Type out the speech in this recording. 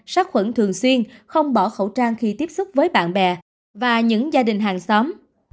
sát khuẩn thường xuyên không bỏ khẩu trang khi tiếp xúc với bạn bè và những gia đình hàng xóm